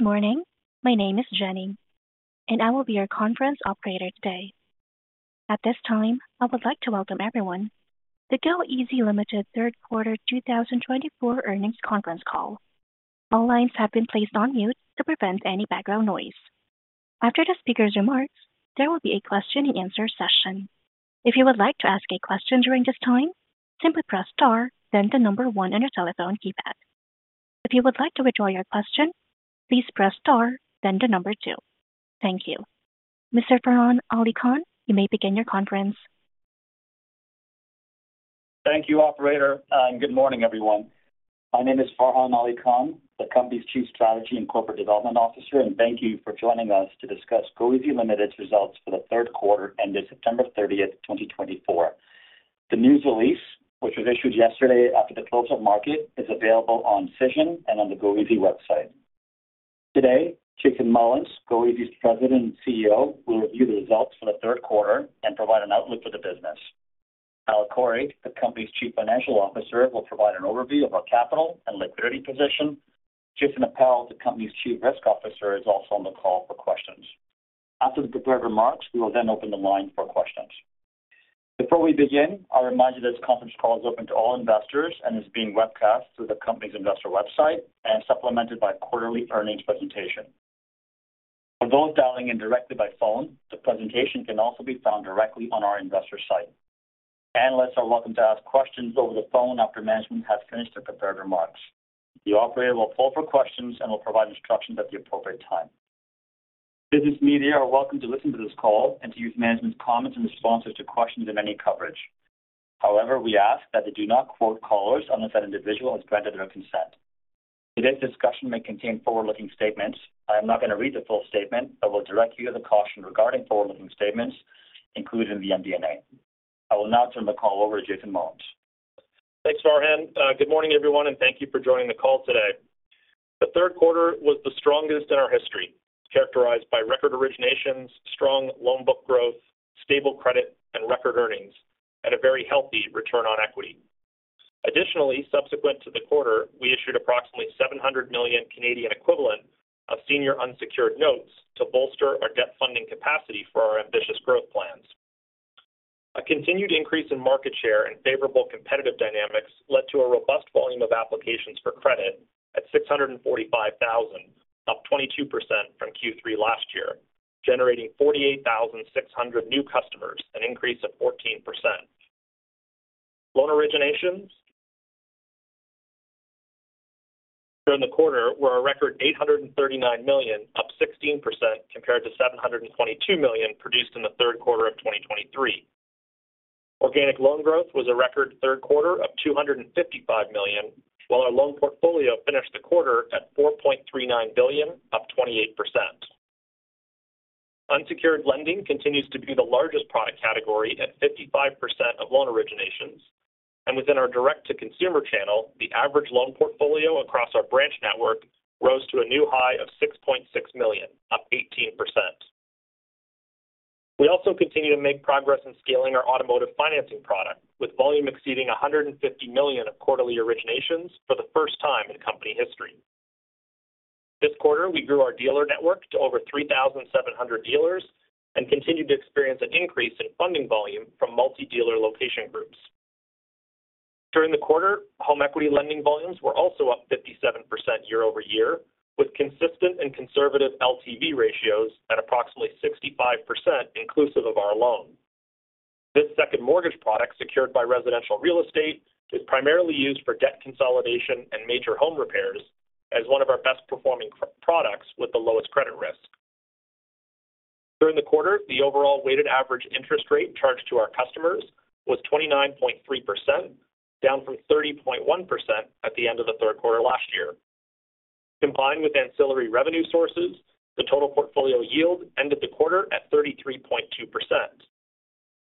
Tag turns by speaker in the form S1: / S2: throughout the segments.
S1: Good morning. My name is Jenny, and I will be your conference operator today. At this time, I would like to welcome everyone to goeasy Limited Third Quarter 2024 Earnings Conference Call. All lines have been placed on mute to prevent any background noise. After the speaker's remarks, there will be a question-and-answer session. If you would like to ask a question during this time, simply press star, then the number one on your telephone keypad. If you would like to withdraw your question, please press star, then the number two. Thank you. Mr. Farhan Ali Khan, you may begin your conference.
S2: Thank you, Operator. Good morning, everyone. My name is Farhan Ali Khan, the company's Chief Strategy and Corporate Development Officer, and thank you for joining us to discuss goeasy Limited's results for the third quarter ended September 30, 2024. The news release, which was issued yesterday after the close of market, is available on Cision and on the goeasy website. Today, Jason Mullins, goeasy's President and CEO, will review the results for the third quarter and provide an outlook for the business. Hal Khouri, the company's Chief Financial Officer, will provide an overview of our capital and liquidity position. Jason Appel, the company's Chief Risk Officer, is also on the call for questions. After the prepared remarks, we will then open the line for questions. Before we begin, I'll remind you that this conference call is open to all investors and is being webcast through the company's investor website and supplemented by a quarterly earnings presentation. For those dialing in directly by phone, the presentation can also be found directly on our investor site. Analysts are welcome to ask questions over the phone after management has finished their prepared remarks. The operator will poll for questions and will provide instructions at the appropriate time. Business media are welcome to listen to this call and to use management's comments and responses to questions in any coverage. However, we ask that they do not quote callers unless that individual has granted their consent. Today's discussion may contain forward-looking statements. I am not going to read the full statement, but will direct you to the caution regarding forward-looking statements included in the MD&A. I will now turn the call over to Jason Mullins.
S3: Thanks, Farhan. Good morning, everyone, and thank you for joining the call today. The third quarter was the strongest in our history, characterized by record originations, strong loan book growth, stable credit, and record earnings, and a very healthy return on equity. Additionally, subsequent to the quarter, we issued approximately 700 million equivalent of senior unsecured notes to bolster our debt funding capacity for our ambitious growth plans. A continued increase in market share and favorable competitive dynamics led to a robust volume of applications for credit at 645,000, up 22% from Q3 last year, generating 48,600 new customers, an increase of 14%. Loan originations during the quarter were a record 839 million, up 16% compared to 722 million produced in the third quarter of 2023. Organic loan growth was a record third quarter of 255 million, while our loan portfolio finished the quarter at 4.39 billion, up 28%. Unsecured lending continues to be the largest product category at 55% of loan originations, and within our direct-to-consumer channel, the average loan portfolio across our branch network rose to a new high of 6.6 million, up 18%. We also continue to make progress in scaling our automotive financing product, with volume exceeding 150 million of quarterly originations for the first time in company history. This quarter, we grew our dealer network to over 3,700 dealers and continued to experience an increase in funding volume from multi-dealer location groups. During the quarter, home equity lending volumes were also up 57% year-over-year, with consistent and conservative LTV ratios at approximately 65% inclusive of our loan. This second mortgage product, secured by residential real estate, is primarily used for debt consolidation and major home repairs as one of our best-performing products with the lowest credit risk. During the quarter, the overall weighted average interest rate charged to our customers was 29.3%, down from 30.1% at the end of the third quarter last year. Combined with ancillary revenue sources, the total portfolio yield ended the quarter at 33.2%.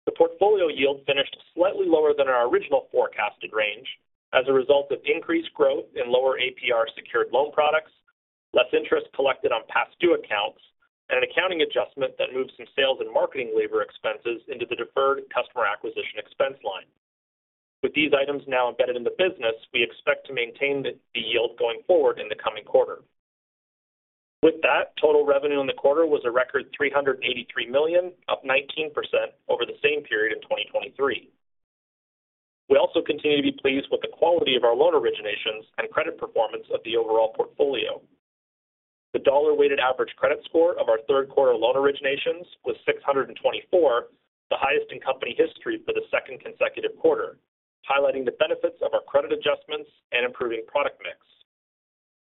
S3: The portfolio yield finished slightly lower than our original forecasted range as a result of increased growth in lower APR secured loan products, less interest collected on past due accounts, and an accounting adjustment that moved some sales and marketing labor expenses into the deferred customer acquisition expense line. With these items now embedded in the business, we expect to maintain the yield going forward in the coming quarter. With that, total revenue in the quarter was a record 383 million, up 19% over the same period in 2023. We also continue to be pleased with the quality of our loan originations and credit performance of the overall portfolio. The dollar-weighted average credit score of our third quarter loan originations was 624, the highest in company history for the second consecutive quarter, highlighting the benefits of our credit adjustments and improving product mix.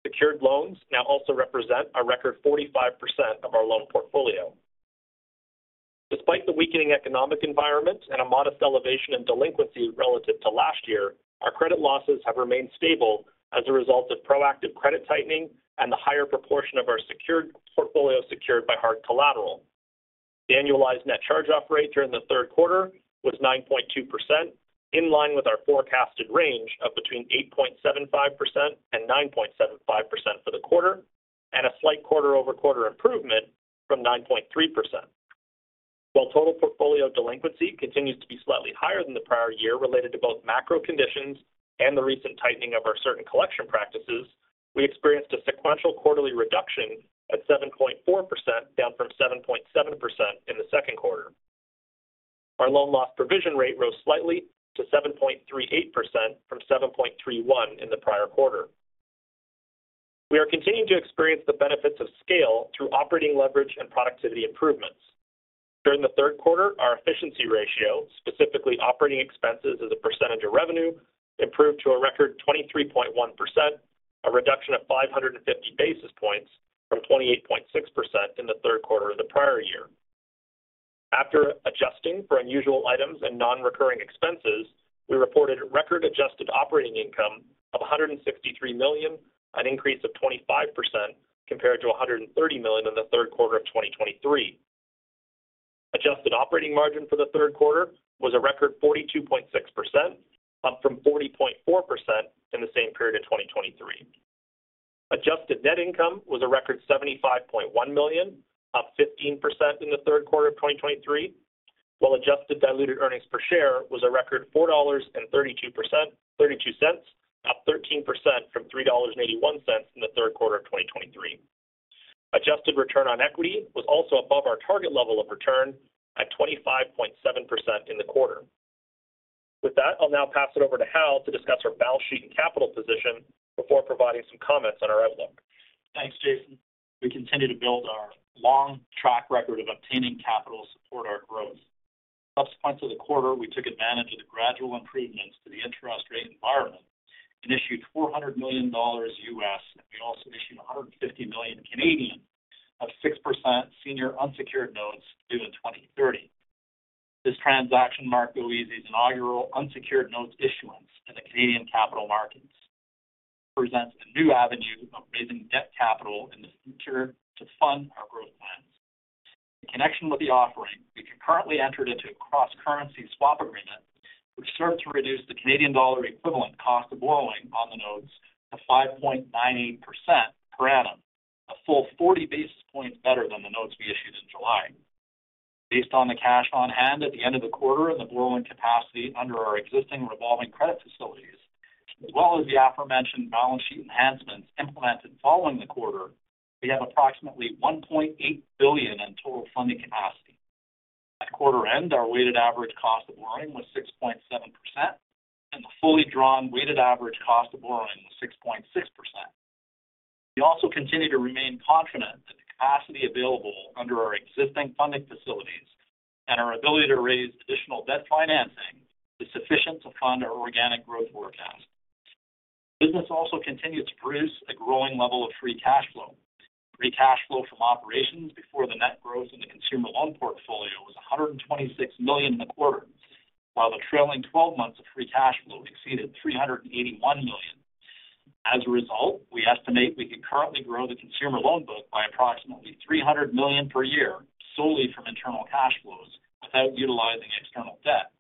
S3: Secured loans now also represent a record 45% of our loan portfolio. Despite the weakening economic environment and a modest elevation in delinquency relative to last year, our credit losses have remained stable as a result of proactive credit tightening and the higher proportion of our secured portfolio secured by hard collateral. The annualized net charge-off rate during the third quarter was 9.2%, in line with our forecasted range of between 8.75% and 9.75% for the quarter, and a slight quarter-over-quarter improvement from 9.3%. While total portfolio delinquency continues to be slightly higher than the prior year related to both macro conditions and the recent tightening of our certain collection practices, we experienced a sequential quarterly reduction at 7.4%, down from 7.7% in the second quarter. Our loan loss provision rate rose slightly to 7.38% from 7.31% in the prior quarter. We are continuing to experience the benefits of scale through operating leverage and productivity improvements. During the third quarter, our efficiency ratio, specifically operating expenses as a percentage of revenue, improved to a record 23.1%, a reduction of 550 basis points from 28.6% in the third quarter of the prior year. After adjusting for unusual items and non-recurring expenses, we reported record-adjusted operating income of 163 million, an increase of 25% compared to 130 million in the third quarter of 2023. Adjusted operating margin for the third quarter was a record 42.6%, up from 40.4% in the same period of 2023. Adjusted net income was a record 75.1 million, up 15% in the third quarter of 2023, while adjusted diluted earnings per share was a record 4.32 dollars, up 13% from 3.81 dollars in the third quarter of 2023. Adjusted return on equity was also above our target level of return at 25.7% in the quarter. With that, I'll now pass it over to Hal to discuss our balance sheet and capital position before providing some comments on our outlook.
S4: Thanks, Jason. We continue to build our long track record of obtaining capital to support our growth. Subsequent to the quarter, we took advantage of the gradual improvements to the interest rate environment and issued $400 million, and we also issued 150 million Canadian dollars of 6% senior unsecured notes due in 2030. This transaction marked goeasy's inaugural unsecured notes issuance in the Canadian capital markets. This presents a new avenue of raising debt capital in the future to fund our growth plans. In connection with the offering, we concurrently entered into a cross-currency swap agreement, which served to reduce the CAD equivalent cost of borrowing on the notes to 5.98% per annum, a full 40 basis points better than the notes we issued in July. Based on the cash on hand at the end of the quarter and the borrowing capacity under our existing revolving credit facilities, as well as the aforementioned balance sheet enhancements implemented following the quarter, we have approximately 1.8 billion in total funding capacity. At quarter end, our weighted average cost of borrowing was 6.7%, and the fully drawn weighted average cost of borrowing was 6.6%. We also continue to remain confident that the capacity available under our existing funding facilities and our ability to raise additional debt financing is sufficient to fund our organic growth forecast. The business also continues to produce a growing level of free cash flow. Free cash flow from operations before the net growth in the consumer loan portfolio was 126 million in the quarter, while the trailing 12 months of free cash flow exceeded 381 million. As a result, we estimate we can currently grow the consumer loan book by approximately 300 million per year solely from internal cash flows without utilizing external debt,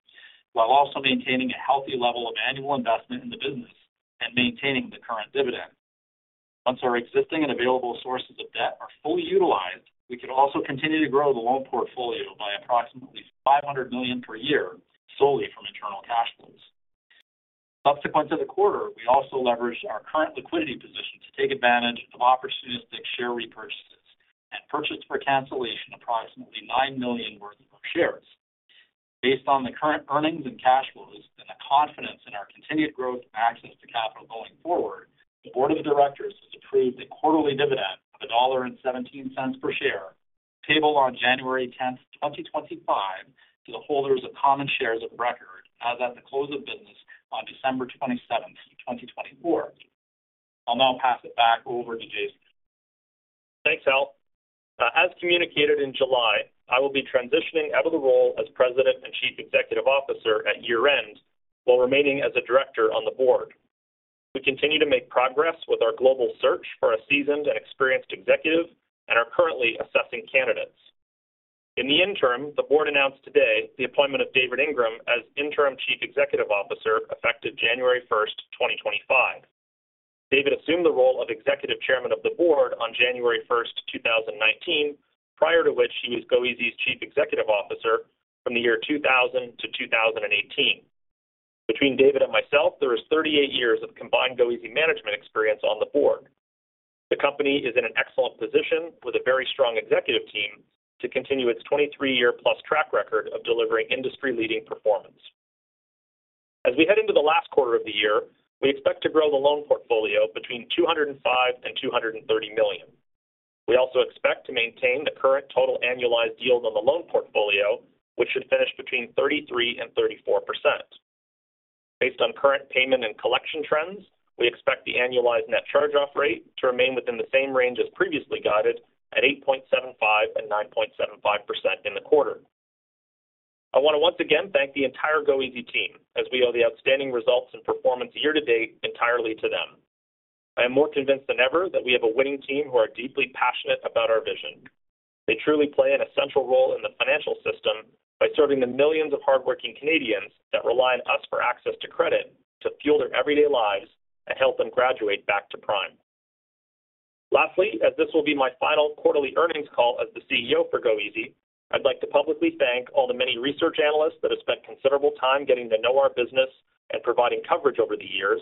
S4: while also maintaining a healthy level of annual investment in the business and maintaining the current dividend. Once our existing and available sources of debt are fully utilized, we can also continue to grow the loan portfolio by approximately 500 million per year solely from internal cash flows. Subsequent to the quarter, we also leveraged our current liquidity position to take advantage of opportunistic share repurchases and purchased for cancellation approximately 9 million worth of our shares. Based on the current earnings and cash flows and the confidence in our continued growth and access to capital going forward, the Board of Directors has approved a quarterly dividend of 1.17 dollar per share payable on January 10, 2025, to the holders of common shares of record as at the close of business on December 27, 2024. I'll now pass it back over to Jason.
S3: Thanks, Hal. As communicated in July, I will be transitioning out of the role as President and Chief Executive Officer at year-end while remaining as a Director on the Board. We continue to make progress with our global search for a seasoned and experienced executive and are currently assessing candidates. In the interim, the Board announced today the appointment of David Ingram as Interim Chief Executive Officer effective January 1, 2025. David assumed the role of Executive Chairman of the Board on January 1, 2019, prior to which he was goeasy's Chief Executive Officer from the year 2000 to 2018. Between David and myself, there is 38 years of combined goeasy management experience on the Board. The company is in an excellent position with a very strong executive team to continue its 23-year-plus track record of delivering industry-leading performance. As we head into the last quarter of the year, we expect to grow the loan portfolio between 205 million and 230 million. We also expect to maintain the current total annualized yield on the loan portfolio, which should finish between 33% and 34%. Based on current payment and collection trends, we expect the annualized net charge-off rate to remain within the same range as previously guided at 8.75% and 9.75% in the quarter. I want to once again thank the entire goeasy team as we owe the outstanding results and performance year to date entirely to them. I am more convinced than ever that we have a winning team who are deeply passionate about our vision. They truly play an essential role in the financial system by serving the millions of hardworking Canadians that rely on us for access to credit to fuel their everyday lives and help them graduate back to prime. Lastly, as this will be my final quarterly earnings call as the CEO for goeasy, I'd like to publicly thank all the many research analysts that have spent considerable time getting to know our business and providing coverage over the years,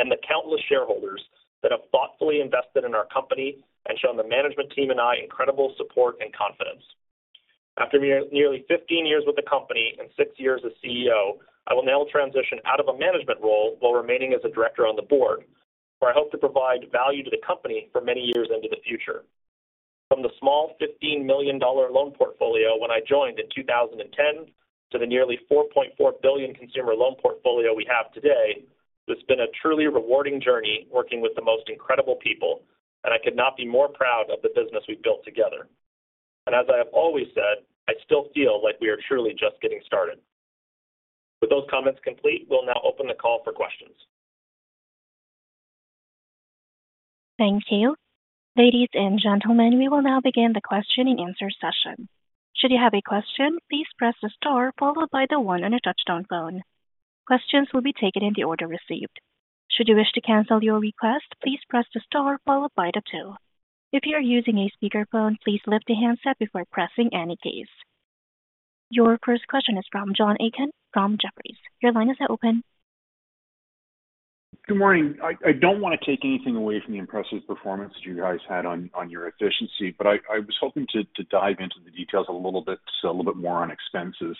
S3: and the countless shareholders that have thoughtfully invested in our company and shown the management team and I incredible support and confidence. After nearly 15 years with the company and six years as CEO, I will now transition out of a management role while remaining as a Director on the Board, where I hope to provide value to the company for many years into the future. From the small 15 million dollar loan portfolio when I joined in 2010 to the nearly 4.4 billion consumer loan portfolio we have today, it's been a truly rewarding journey working with the most incredible people, and I could not be more proud of the business we've built together. And as I have always said, I still feel like we are truly just getting started. With those comments complete, we'll now open the call for questions.
S1: Thank you. Ladies and gentlemen, we will now begin the question and answer session. Should you have a question, please press the star followed by the one on your touch-tone phone. Questions will be taken in the order received. Should you wish to cancel your request, please press the star followed by the two. If you are using a speakerphone, please lift the handset before pressing any keys. Your first question is from John Aiken from Jefferies. Your line is now open.
S5: Good morning. I don't want to take anything away from the impressive performance you guys had on your efficiency, but I was hoping to dive into the details a little bit more on expenses.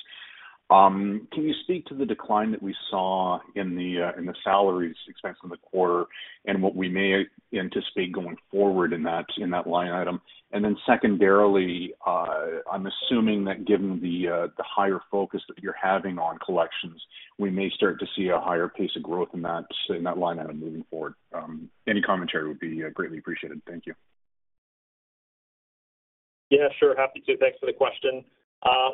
S5: Can you speak to the decline that we saw in the salaries expense in the quarter and what we may anticipate going forward in that line item? And then secondarily, I'm assuming that given the higher focus that you're having on collections, we may start to see a higher pace of growth in that line item moving forward. Any commentary would be greatly appreciated. Thank you.
S3: Yeah, sure. Happy to. Thanks for the question.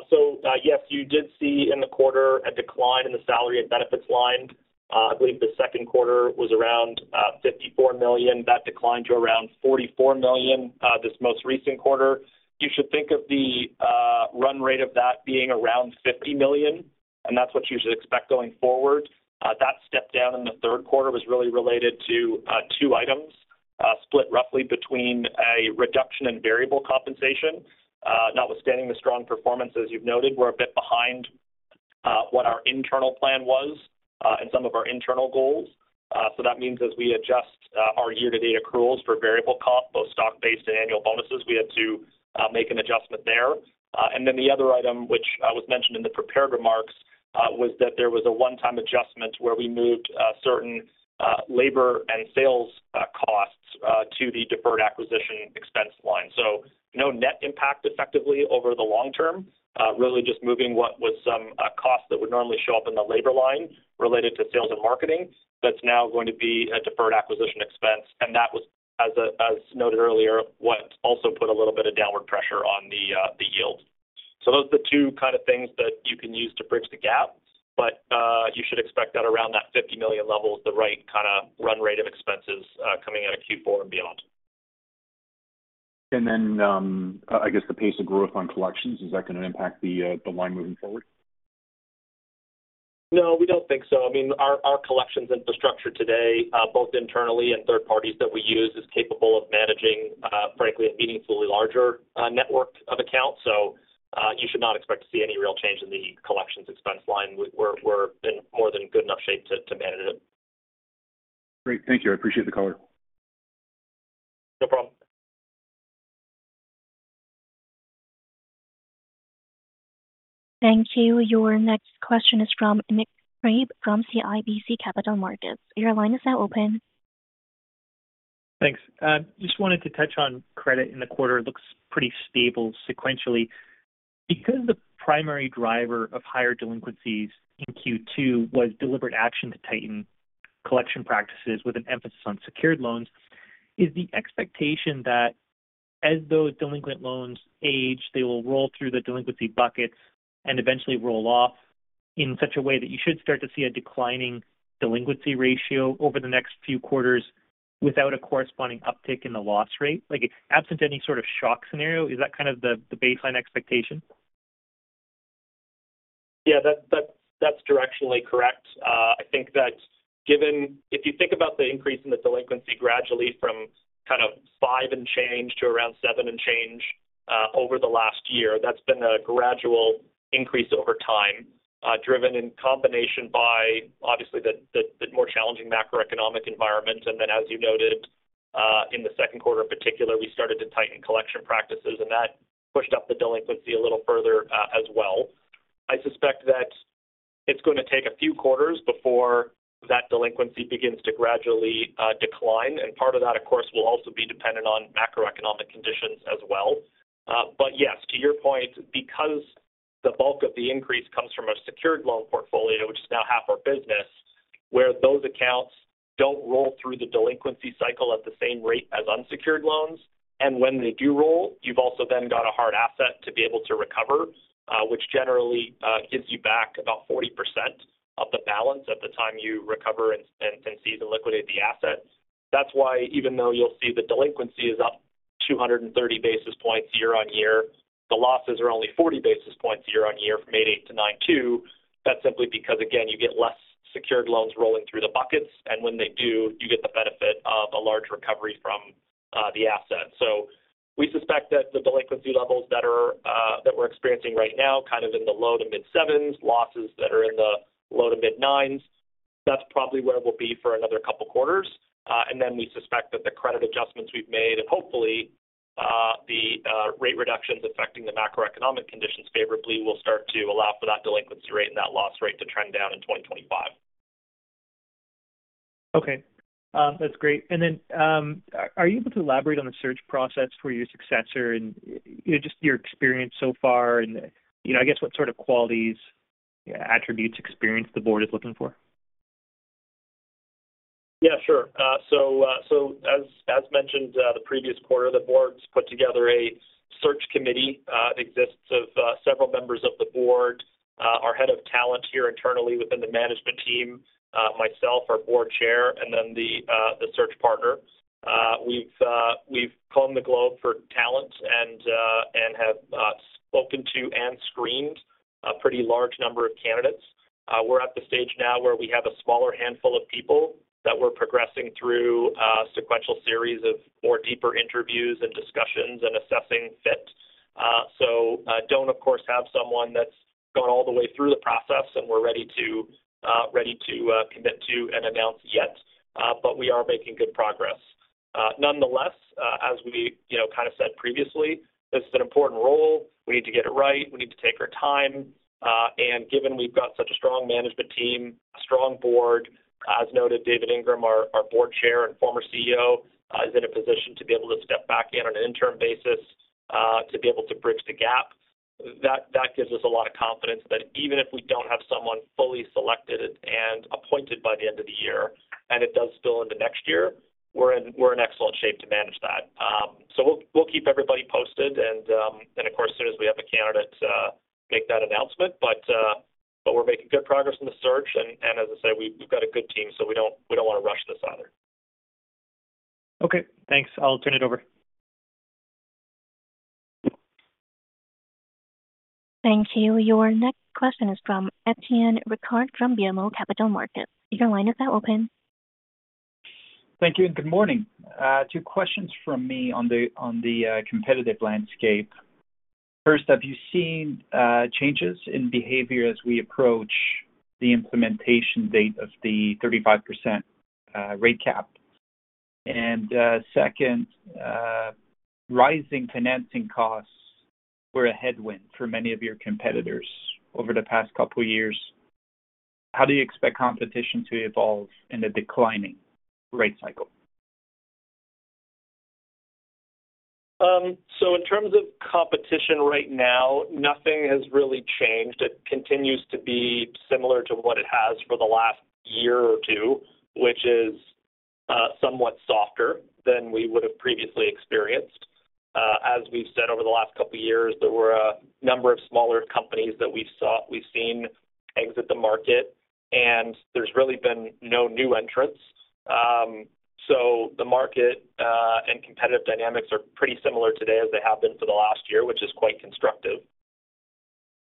S3: So yes, you did see in the quarter a decline in the salary and benefits line. I believe the second quarter was around 54 million. That declined to around 44 million this most recent quarter. You should think of the run rate of that being around 50 million, and that's what you should expect going forward. That step down in the third quarter was really related to two items split roughly between a reduction in variable compensation. Notwithstanding the strong performance, as you've noted, we're a bit behind what our internal plan was and some of our internal goals. So that means as we adjust our year-to-date accruals for variable comp, both stock-based and annual bonuses, we had to make an adjustment there. And then the other item, which was mentioned in the prepared remarks, was that there was a one-time adjustment where we moved certain labor and sales costs to the deferred acquisition expense line. So no net impact effectively over the long term, really just moving what was some cost that would normally show up in the labor line related to sales and marketing that's now going to be a deferred acquisition expense. And that was, as noted earlier, what also put a little bit of downward pressure on the yield. So those are the two kind of things that you can use to bridge the gap, but you should expect that around that 50 million level is the right kind of run rate of expenses coming out of Q4 and beyond.
S5: And then I guess the pace of growth on collections, is that going to impact the line moving forward?
S3: No, we don't think so. I mean, our collections infrastructure today, both internally and third parties that we use, is capable of managing, frankly, a meaningfully larger network of accounts. So you should not expect to see any real change in the collections expense line. We're in more than good enough shape to manage it.
S5: Great. Thank you. I appreciate the color.
S3: No problem.
S1: Thank you. Your next question is from Nikita Krutikov from CIBC Capital Markets. Your line is now open. Thanks. Just wanted to touch on credit in the quarter. It looks pretty stable sequentially. Because the primary driver of higher delinquencies in Q2 was deliberate action to tighten collection practices with an emphasis on secured loans, is the expectation that as those delinquent loans age, they will roll through the delinquency buckets and eventually roll off in such a way that you should start to see a declining delinquency ratio over the next few quarters without a corresponding uptick in the loss rate? Absent any sort of shock scenario, is that kind of the baseline expectation?
S3: Yeah, that's directionally correct. I think that given if you think about the increase in the delinquency gradually from kind of five and change to around seven and change over the last year, that's been a gradual increase over time driven in combination by, obviously, the more challenging macroeconomic environment. And then, as you noted, in the second quarter in particular, we started to tighten collection practices, and that pushed up the delinquency a little further as well. I suspect that it's going to take a few quarters before that delinquency begins to gradually decline. And part of that, of course, will also be dependent on macroeconomic conditions as well. But yes, to your point, because the bulk of the increase comes from our secured loan portfolio, which is now half our business, where those accounts don't roll through the delinquency cycle at the same rate as unsecured loans. When they do roll, you've also then got a hard asset to be able to recover, which generally gives you back about 40% of the balance at the time you recover and seize and liquidate the asset. That's why even though you'll see the delinquency is up 230 basis points year-on-year, the losses are only 40 basis points year on year from 88 to 92. That's simply because, again, you get less secured loans rolling through the buckets, and when they do, you get the benefit of a large recovery from the asset. We suspect that the delinquency levels that we're experiencing right now kind of in the low to mid-sevens, losses that are in the low to mid-nines, that's probably where we'll be for another couple of quarters. And then we suspect that the credit adjustments we've made and hopefully the rate reductions affecting the macroeconomic conditions favorably will start to allow for that delinquency rate and that loss rate to trend down in 2025. Okay. That's great. And then are you able to elaborate on the search process for your successor and just your experience so far? And I guess what sort of qualities, attributes, experience the Board is looking for? Yeah, sure. So as mentioned the previous quarter, the Board's put together a search committee. It exists of several members of the Board. Our head of talent here internally within the management team, myself, our Board Chair, and then the search partner. We've combed the globe for talent and have spoken to and screened a pretty large number of candidates. We're at the stage now where we have a smaller handful of people that we're progressing through a sequential series of more deeper interviews and discussions and assessing fit. So don't, of course, have someone that's gone all the way through the process and we're ready to commit to and announce yet, but we are making good progress. Nonetheless, as we kind of said previously, this is an important role. We need to get it right. We need to take our time. Given we've got such a strong management team, a strong Board, as noted, David Ingram, our Board Chair and former CEO, is in a position to be able to step back in on an interim basis to be able to bridge the gap, that gives us a lot of confidence that even if we don't have someone fully selected and appointed by the end of the year and it does spill into next year, we're in excellent shape to manage that. We'll keep everybody posted and, of course, as soon as we have a candidate, make that announcement. We're making good progress in the search. As I say, we've got a good team, so we don't want to rush this either. Okay. Thanks. I'll turn it over.
S1: Thank you. Your next question is from Étienne Ricard from BMO Capital Markets. Your line is now open.
S6: Thank you and good morning. Two questions from me on the competitive landscape. First, have you seen changes in behavior as we approach the implementation date of the 35% rate cap? And second, rising financing costs were a headwind for many of your competitors over the past couple of years. How do you expect competition to evolve in a declining rate cycle?
S3: So in terms of competition right now, nothing has really changed. It continues to be similar to what it has for the last year or two, which is somewhat softer than we would have previously experienced. As we've said over the last couple of years, there were a number of smaller companies that we've seen exit the market, and there's really been no new entrants. So the market and competitive dynamics are pretty similar today as they have been for the last year, which is quite constructive.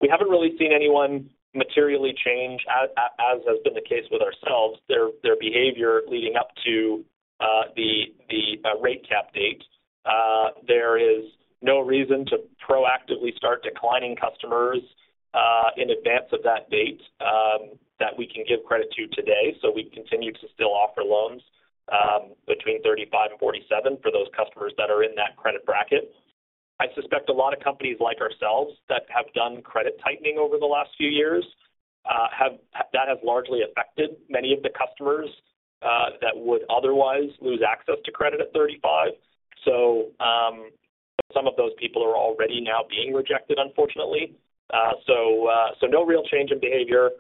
S3: We haven't really seen anyone materially change, as has been the case with ourselves, their behavior leading up to the rate cap date. There is no reason to proactively start declining customers in advance of that date that we can give credit to today. We continue to still offer loans between 35 and 47 for those customers that are in that credit bracket. I suspect a lot of companies like ourselves that have done credit tightening over the last few years, that has largely affected many of the customers that would otherwise lose access to credit at 35. Some of those people are already now being rejected, unfortunately. No real change in behavior.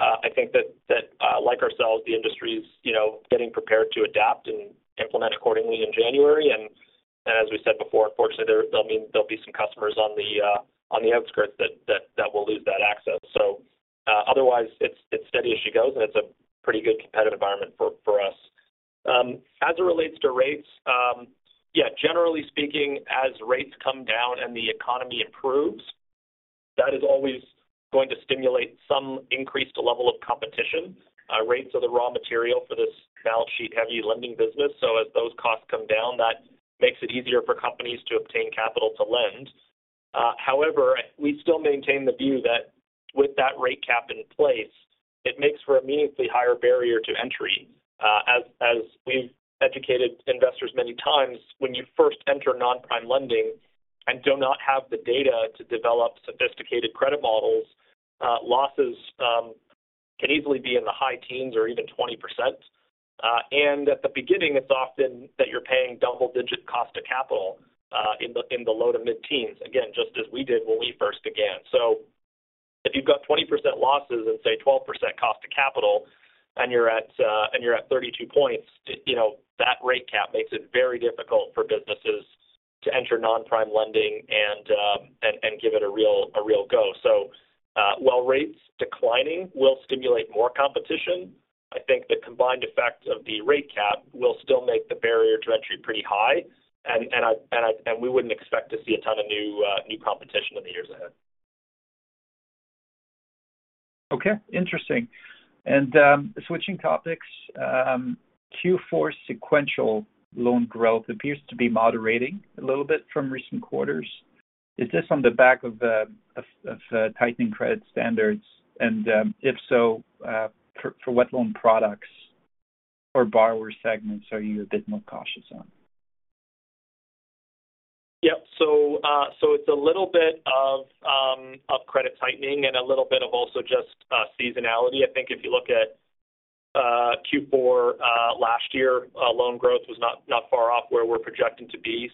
S3: I think that, like ourselves, the industry is getting prepared to adapt and implement accordingly in January. As we said before, unfortunately, there'll be some customers on the outskirts that will lose that access. Otherwise, it's steady as she goes, and it's a pretty good competitive environment for us. As it relates to rates, yeah, generally speaking, as rates come down and the economy improves, that is always going to stimulate some increased level of competition. Rates are the raw material for this balance sheet-heavy lending business, so as those costs come down, that makes it easier for companies to obtain capital to lend. However, we still maintain the view that with that rate cap in place, it makes for a meaningfully higher barrier to entry. As we've educated investors many times, when you first enter non-prime lending and do not have the data to develop sophisticated credit models, losses can easily be in the high teens or even 20%. And at the beginning, it's often that you're paying double-digit cost of capital in the low to mid-teens, again, just as we did when we first began, so if you've got 20% losses and say 12% cost of capital and you're at 32 points, that rate cap makes it very difficult for businesses to enter non-prime lending and give it a real go. So while rates declining will stimulate more competition, I think the combined effect of the rate cap will still make the barrier to entry pretty high. And we wouldn't expect to see a ton of new competition in the years ahead.
S6: Okay. Interesting. And switching topics, Q4 sequential loan growth appears to be moderating a little bit from recent quarters. Is this on the back of tightening credit standards? And if so, for what loan products or borrower segments are you a bit more cautious on?
S3: Yeah. So it's a little bit of credit tightening and a little bit of also just seasonality. I think if you look at Q4 last year, loan growth was not far off where we're projecting to be.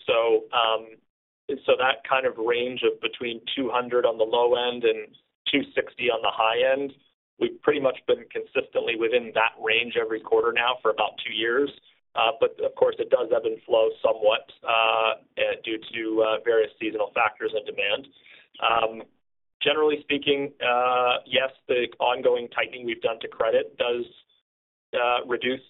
S3: So that kind of range of between 200 on the low end and 260 on the high end, we've pretty much been consistently within that range every quarter now for about two years. But of course, it does ebb and flow somewhat due to various seasonal factors and demand. Generally speaking, yes, the ongoing tightening we've done to credit does reduce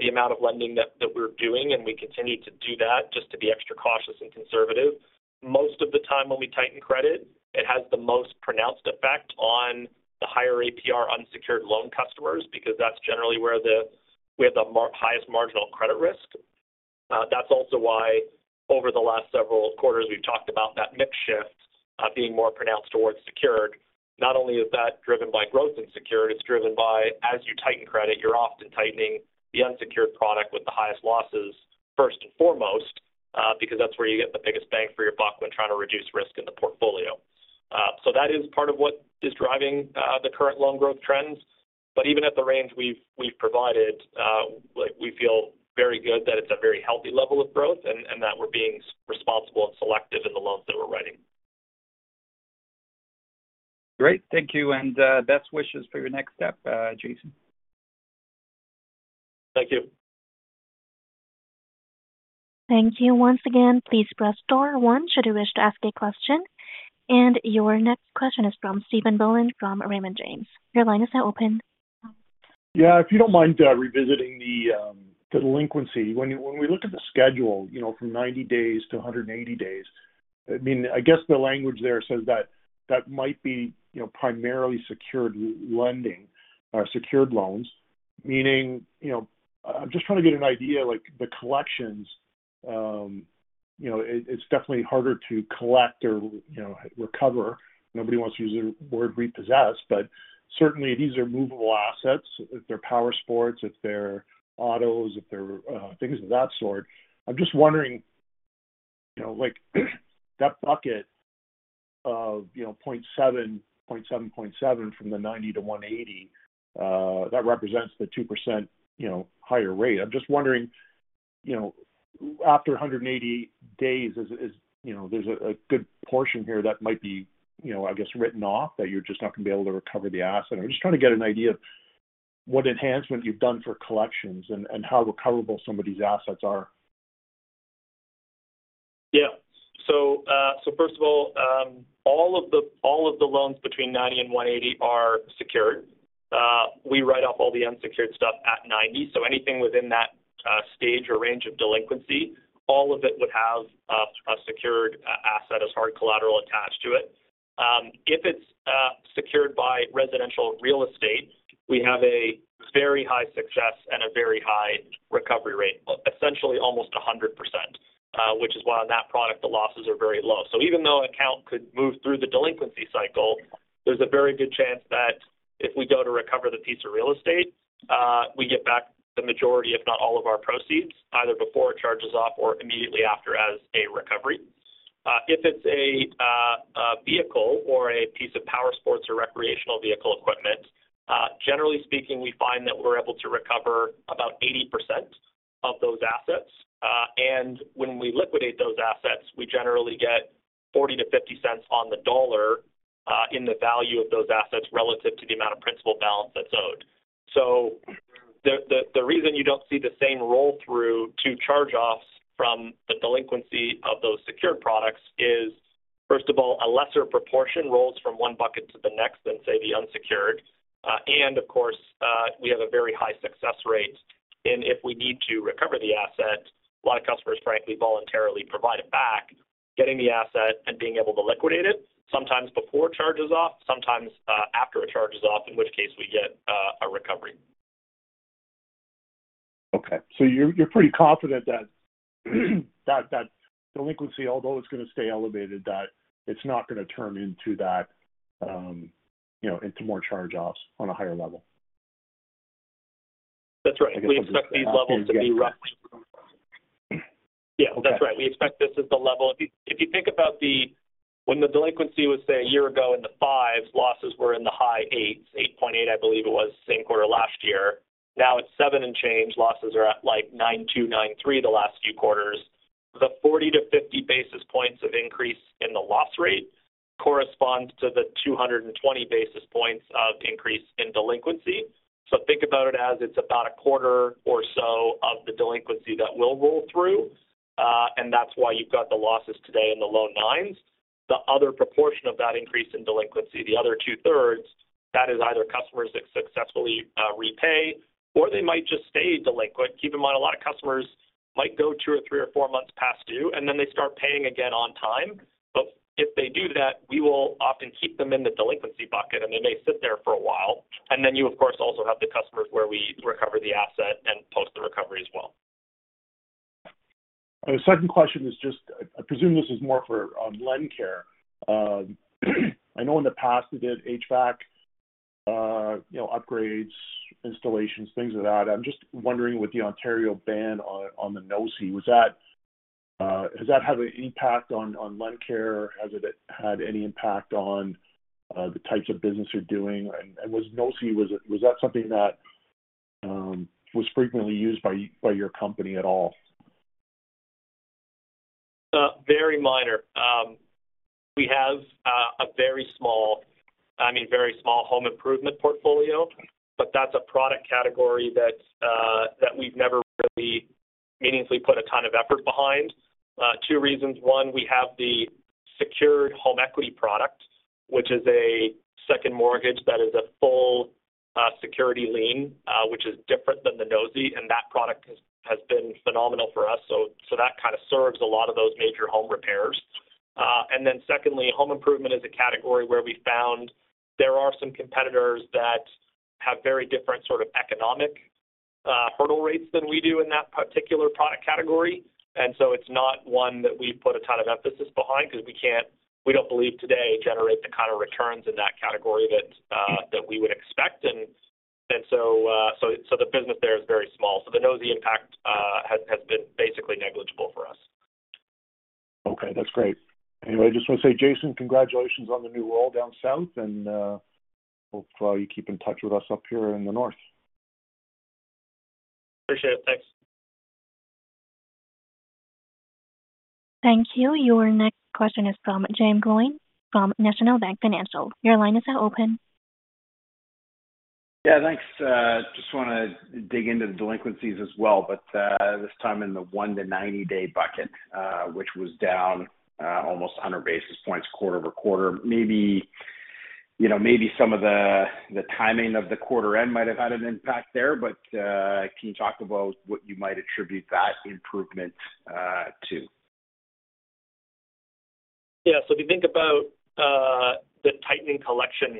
S3: the amount of lending that we're doing, and we continue to do that just to be extra cautious and conservative. Most of the time when we tighten credit, it has the most pronounced effect on the higher APR unsecured loan customers because that's generally where we have the highest marginal credit risk. That's also why over the last several quarters, we've talked about that mix shift being more pronounced towards secured. Not only is that driven by growth in secured, it's driven by as you tighten credit, you're often tightening the unsecured product with the highest losses first and foremost because that's where you get the biggest bang for your buck when trying to reduce risk in the portfolio. So that is part of what is driving the current loan growth trends. But even at the range we've provided, we feel very good that it's a very healthy level of growth and that we're being responsible and selective in the loans that we're writing.
S6: Great. Thank you and best wishes for your next step, Jason.
S3: Thank you.
S1: Thank you once again. Please press star one should you wish to ask a question. And your next question is from Stephen Boland from Raymond James. Your line is now open.
S7: Yeah. If you don't mind revisiting the delinquency, when we look at the schedule from 90 days to 180 days, I mean, I guess the language there says that that might be primarily secured lending or secured loans, meaning I'm just trying to get an idea. The collections, it's definitely harder to collect or recover. Nobody wants to use the word repossess, but certainly these are movable assets. If they're powersports, if they're autos, if they're things of that sort. I'm just wondering, that bucket of 0.7, 0.7, 0.7 from the 90 to 180, that represents the 2% higher rate. I'm just wondering, after 180 days, there's a good portion here that might be, I guess, written off that you're just not going to be able to recover the asset. I'm just trying to get an idea of what enhancement you've done for collections and how recoverable some of these assets are.
S3: Yeah. So first of all, all of the loans between 90 and 180 are secured. We write off all the unsecured stuff at 90. So anything within that stage or range of delinquency, all of it would have a secured asset as hard collateral attached to it. If it's secured by residential real estate, we have a very high success and a very high recovery rate, essentially almost 100%, which is why on that product, the losses are very low. So even though an account could move through the delinquency cycle, there's a very good chance that if we go to recover the piece of real estate, we get back the majority, if not all of our proceeds, either before it charges off or immediately after as a recovery. If it's a vehicle or a piece of powersports or recreational vehicle equipment, generally speaking, we find that we're able to recover about 80% of those assets. And when we liquidate those assets, we generally get 40-50 cents on the dollar in the value of those assets relative to the amount of principal balance that's owed. So the reason you don't see the same roll-through to charge-offs from the delinquency of those secured products is, first of all, a lesser proportion rolls from one bucket to the next than, say, the unsecured. And of course, we have a very high success rate. And if we need to recover the asset, a lot of customers, frankly, voluntarily provide it back, getting the asset and being able to liquidate it, sometimes before charges off, sometimes after it charges off, in which case we get a recovery.
S7: Okay. So you're pretty confident that delinquency, although it's going to stay elevated, that it's not going to turn into more charge-offs on a higher level?
S3: That's right. We expect these levels to be roughly. Yeah. That's right. We expect this is the level. If you think about when the delinquency was, say, a year ago in the 5s, losses were in the high 8s, 8.8, I believe it was, same quarter last year. Now it's 7 and change. Losses are at like 9.2, 9.3 the last few quarters. The 40-50 basis points of increase in the loss rate corresponds to the 220 basis points of increase in delinquency. So think about it as it's about a quarter or so of the delinquency that will roll through. And that's why you've got the losses today in the low 9s. The other proportion of that increase in delinquency, the other two-thirds, that is either customers that successfully repay or they might just stay delinquent. Keep in mind, a lot of customers might go two or three or four months past due, and then they start paying again on time. But if they do that, we will often keep them in the delinquency bucket, and they may sit there for a while. And then you, of course, also have the customers where we recover the asset and post the recovery as well.
S7: The second question is just, I presume this is more for LendCare. I know in the past they did HVAC upgrades, installations, things of that. I'm just wondering with the Ontario ban on the NOSI, has that had an impact on LendCare? Has it had any impact on the types of business you're doing? And was NOSI, was that something that was frequently used by your company at all?
S3: Very minor. We have a very small, I mean, very small home improvement portfolio, but that's a product category that we've never really meaningfully put a ton of effort behind. Two reasons. One, we have the secured home equity product, which is a second mortgage that is a full security lien, which is different than the NOSI, and that product has been phenomenal for us, so that kind of serves a lot of those major home repairs, and then secondly, home improvement is a category where we found there are some competitors that have very different sort of economic hurdle rates than we do in that particular product category, and so it's not one that we've put a ton of emphasis behind because we don't believe today generate the kind of returns in that category that we would expect, and so the business there is very small. The NOSI impact has been basically negligible for us.
S7: Okay. That's great. Anyway, I just want to say, Jason, congratulations on the new role down south, and hopefully you keep in touch with us up here in the north.
S3: Appreciate it. Thanks.
S1: Thank you. Your next question is from Jaeme Gloyn from National Bank Financial. Your line is now open.
S8: Yeah. Thanks. Just want to dig into the delinquencies as well, but this time in the one to 90-day bucket, which was down almost 100 basis points quarter over quarter. Maybe some of the timing of the quarter end might have had an impact there, but can you talk about what you might attribute that improvement to?
S3: Yeah. So if you think about the tightening collection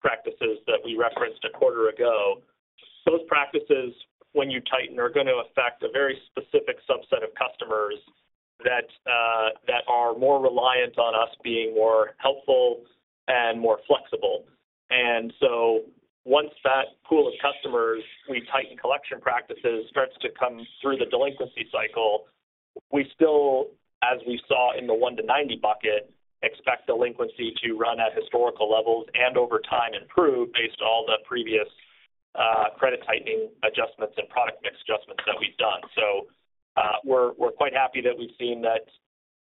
S3: practices that we referenced a quarter ago, those practices, when you tighten, are going to affect a very specific subset of customers that are more reliant on us being more helpful and more flexible. And so once that pool of customers we tighten collection practices starts to come through the delinquency cycle, we still, as we saw in the 1 to 90 bucket, expect delinquency to run at historical levels and over time improve based on all the previous credit tightening adjustments and product mix adjustments that we've done. We're quite happy that we've seen that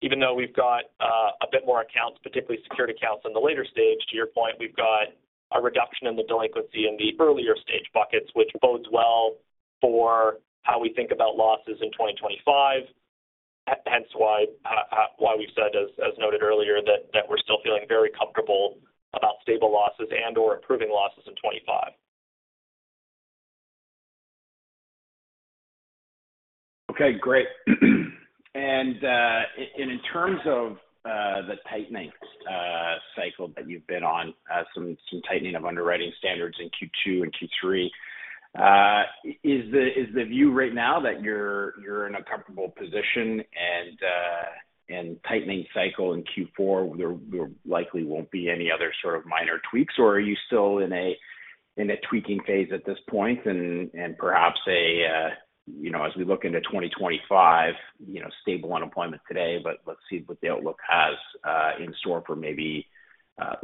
S3: even though we've got a bit more accounts, particularly secured accounts in the later stage, to your point, we've got a reduction in the delinquency in the earlier stage buckets, which bodes well for how we think about losses in 2025, hence why we've said, as noted earlier, that we're still feeling very comfortable about stable losses and/or improving losses in 2025.
S8: Okay. Great. And in terms of the tightening cycle that you've been on, some tightening of underwriting standards in Q2 and Q3, is the view right now that you're in a comfortable position and tightening cycle in Q4 there likely won't be any other sort of minor tweaks, or are you still in a tweaking phase at this point and perhaps, as we look into 2025, stable unemployment today, but let's see what the outlook has in store for maybe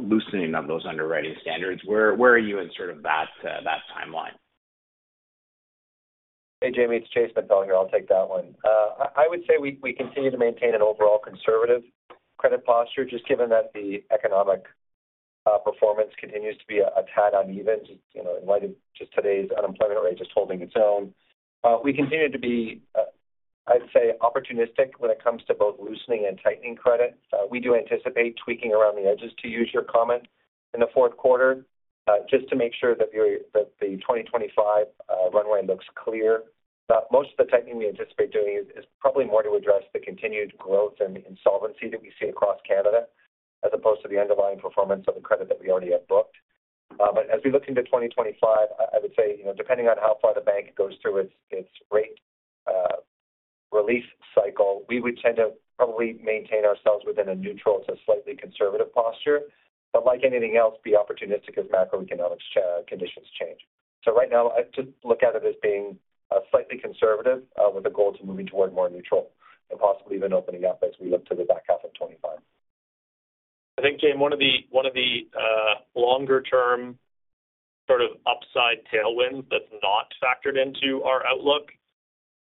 S8: loosening of those underwriting standards? Where are you in sort of that timeline?
S9: Hey, Jaeme. It's Jason Appel here. I'll take that one. I would say we continue to maintain an overall conservative credit posture just given that the economic performance continues to be a tad uneven in light of just today's unemployment rate just holding its own. We continue to be, I'd say, opportunistic when it comes to both loosening and tightening credit. We do anticipate tweaking around the edges, to use your comment, in the fourth quarter just to make sure that the 2025 runway looks clear. Most of the tightening we anticipate doing is probably more to address the continued growth and insolvency that we see across Canada as opposed to the underlying performance of the credit that we already have booked. But as we look into 2025, I would say depending on how far the bank goes through its rate release cycle, we would tend to probably maintain ourselves within a neutral to slightly conservative posture, but like anything else, be opportunistic as macroeconomic conditions change. So right now, I just look at it as being slightly conservative with a goal to moving toward more neutral and possibly even opening up as we look to the back half of 2025.
S3: I think, Jaeme, one of the longer-term sort of upside tailwinds that's not factored into our outlook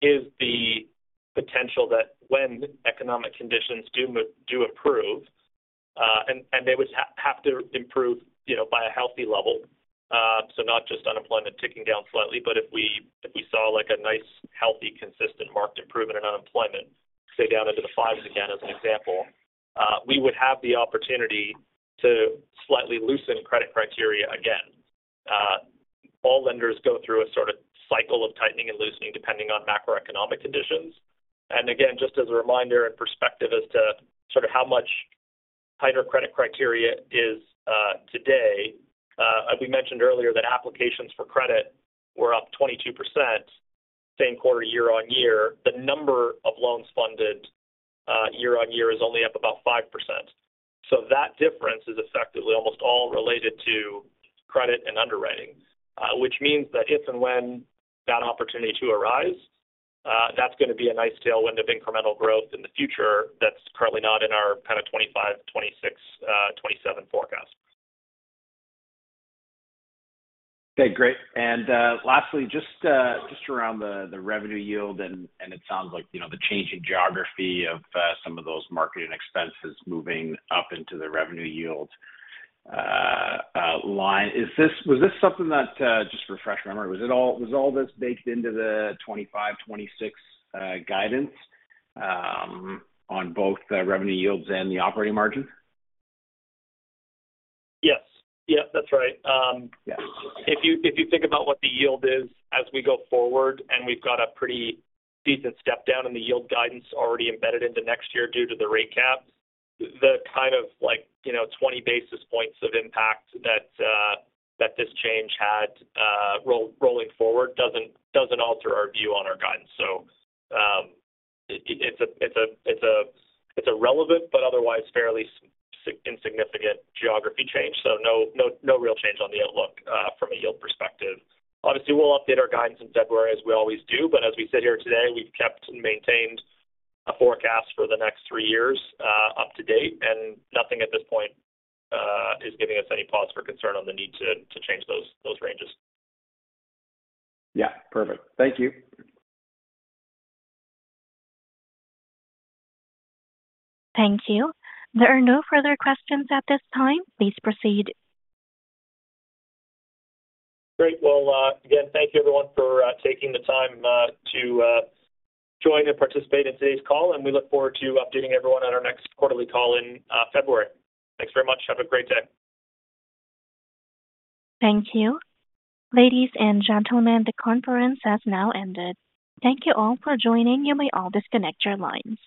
S3: is the potential that when economic conditions do improve, and they would have to improve by a healthy level, so not just unemployment ticking down slightly, but if we saw a nice, healthy, consistent market improvement in unemployment, say, down into the 5s again as an example, we would have the opportunity to slightly loosen credit criteria again. All lenders go through a sort of cycle of tightening and loosening depending on macroeconomic conditions. And again, just as a reminder and perspective as to sort of how much tighter credit criteria is today, we mentioned earlier that applications for credit were up 22% same quarter year on year. The number of loans funded year on year is only up about 5%. So that difference is effectively almost all related to credit and underwriting, which means that if and when that opportunity to arise, that's going to be a nice tailwind of incremental growth in the future that's currently not in our kind of 2025, 2026, 2027 forecast.
S8: Okay. Great. And lastly, just around the revenue yield, and it sounds like the change in geography of some of those marketing expenses moving up into the revenue yield line, was this something that just refresh my memory? Was all this baked into the 2025, 2026 guidance on both revenue yields and the operating margin?
S3: Yes. Yeah. That's right. If you think about what the yield is as we go forward, and we've got a pretty decent step down in the yield guidance already embedded into next year due to the rate cap, the kind of 20 basis points of impact that this change had rolling forward doesn't alter our view on our guidance. So it's a relevant, but otherwise fairly insignificant geography change. So no real change on the outlook from a yield perspective. Obviously, we'll update our guidance in February as we always do, but as we sit here today, we've kept and maintained a forecast for the next three years up to date, and nothing at this point is giving us any pause for concern on the need to change those ranges.
S8: Yeah. Perfect. Thank you.
S1: Thank you. There are no further questions at this time. Please proceed.
S3: Great. Well, again, thank you, everyone, for taking the time to join and participate in today's call, and we look forward to updating everyone at our next quarterly call in February. Thanks very much. Have a great day.
S1: Thank you. Ladies and gentlemen, the conference has now ended. Thank you all for joining. You may all disconnect your lines.